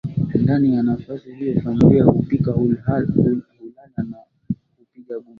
Ndani ya nafasi hiyo familia hupika hul hulala na hupiga gumzo